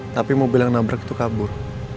tapi mobil yang nabrak itu kabur